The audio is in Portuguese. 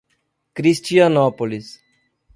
Cristianópolis